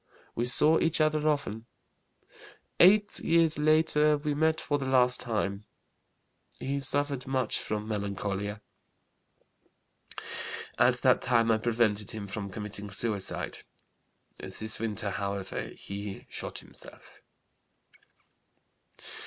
We saw each other often. Eight years later we met for the last time. He suffered much from melancholia. At that time I prevented him from committing suicide. This winter, however, he shot himself.